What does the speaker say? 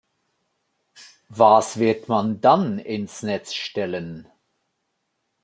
Was wird man dann ins Netz stellen?